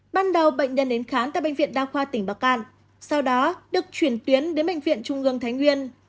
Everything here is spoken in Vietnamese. ban đầu bệnh nhân đến khám tại bệnh viện đa khoa tỉnh bắc cạn sau đó được chuyển tuyến đến bệnh viện trung ương thái nguyên